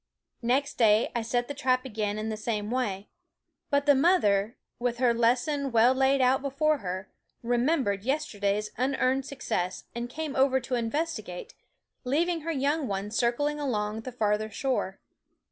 ^l&? Next day I set the trap again in the same way. But the mother, with her lesson well laid out before her, remembered yesterday's unearned success and came over to investigate, leaving her young ones circling along the farther shore.